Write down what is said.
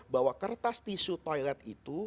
bahwa kertas tisu toilet itu bisa menggantikan peran batu